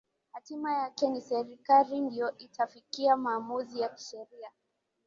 hatima yake ni serikali ndio itafikia maamuzi ya kisheria